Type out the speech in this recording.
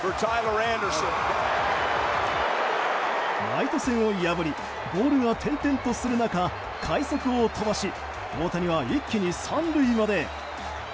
ライト線を破りボールが点々とする中快足を飛ばし大谷は一気に３塁まで。